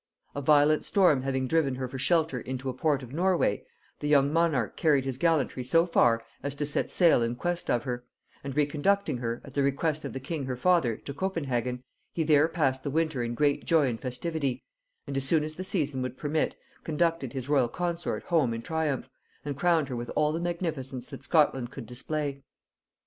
A violent storm having driven her for shelter into a port of Norway, the young monarch carried his gallantry so far as to set sail in quest of her; and re conducting her, at the request of the king her father, to Copenhagen, he there passed the winter in great joy and festivity; and as soon as the season would permit, conducted his royal consort home in triumph, and crowned her with all the magnificence that Scotland could display.